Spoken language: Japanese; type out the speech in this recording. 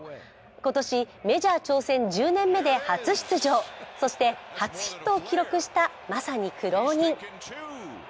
今年、メジャー挑戦１０年目で初出場、そして初ヒットを記録したまさに苦労人。